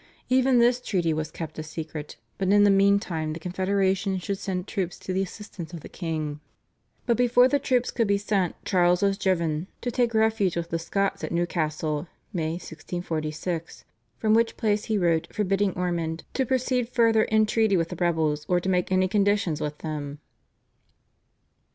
Even this treaty was kept a secret, but in the meantime the Confederation should send troops to the assistance of the king. But before the troops could be sent Charles was driven to take refuge with the Scots at Newcastle (May 1646), from which place he wrote forbidding Ormond "to proceed further in treaty with the rebels or to make any conditions with them."